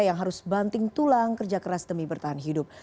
yang harus banting tulang kerja keras demi bertahan hidup